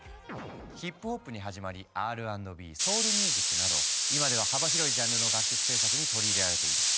ヒップホップに始まりＲ＆Ｂソウルミュージックなど今では幅広いジャンルの楽曲制作に取り入れられている。